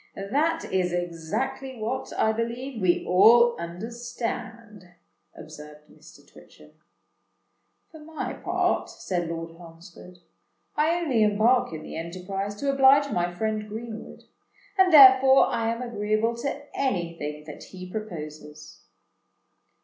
"That is exactly what, I believe, we all understand," observed Mr. Twitchem. "For my part," said Lord Holmesford, "I only embark in the enterprise to oblige my friend Greenwood; and therefore I am agreeable to any thing that he proposes."